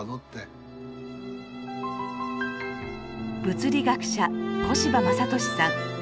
物理学者小柴昌俊さん。